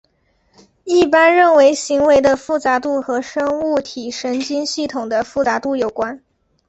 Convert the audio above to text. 一般认为行为的复杂度和生物体神经系统的复杂度有关。